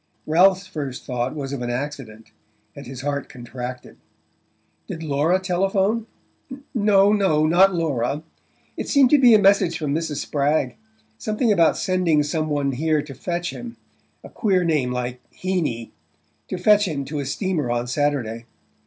Ralph's first thought was of an accident, and his heart contracted. "Did Laura telephone?" "No, no; not Laura. It seemed to be a message from Mrs. Spragg: something about sending some one here to fetch him a queer name like Heeny to fetch him to a steamer on Saturday.